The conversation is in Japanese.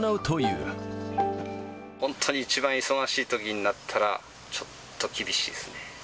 本当に一番忙しいときになったら、ちょっと厳しいですね。